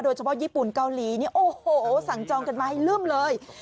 เฉพาะญี่ปุ่นเกาหลีเนี่ยโอ้โหสั่งจองกันมาให้ลื่มเลย